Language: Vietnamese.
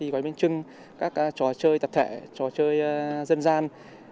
gói bên chưng các trò chơi tập thể trò chơi dân gian